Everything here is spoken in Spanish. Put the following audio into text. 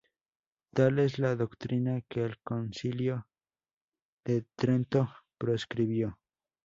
Tal es la doctrina que el Concilio de Trento proscribió, ses.